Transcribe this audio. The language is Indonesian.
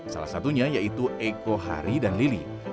salah satunya yaitu eko hari dan lili